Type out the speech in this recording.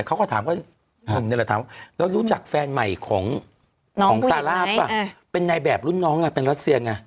เขาก็ถามแล้วรู้จักแฟนใหม่ของสาร่าเป็นในแบบรุ่นน้องเป็นรัสเซียงไง